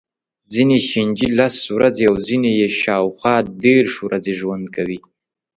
ځینې چینجي لس ورځې او ځینې یې شاوخوا دېرش ورځې ژوند کوي.